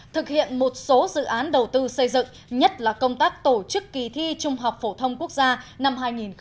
thực hiện một số dự án đầu tư xây dựng nhất là công tác tổ chức kỳ thi trung học phổ thông quốc gia năm hai nghìn một mươi chín